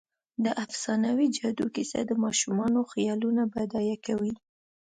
د افسانوي جادو کیسه د ماشومانو خیالونه بډایه کوي.